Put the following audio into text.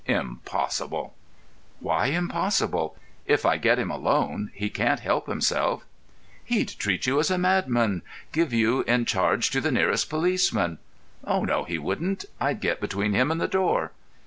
"Impossible." "Why impossible? If I get him alone he can't help himself." "He'd treat you as a madman—give you in charge to the nearest policeman." "Oh, no, he wouldn't. I'd get between him and the door."